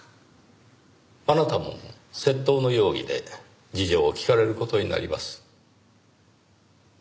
あなたも窃盗の容疑で事情を聞かれる事になります。